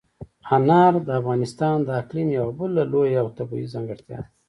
انار د افغانستان د اقلیم یوه بله لویه او طبیعي ځانګړتیا ده.